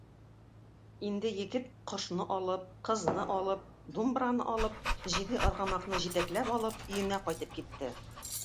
Инде егет кошны алып, кызны алып, думбраны алып, җиде аргамакны җитәкләп алып, өенә кайтып китте.